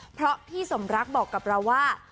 เพราะพี่สมรักบอกกับเราว่า